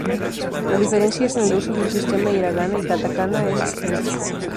La diferencia en el uso de los sistemas hiragana y katakana es estilístico.